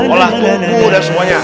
olah kuku dan semuanya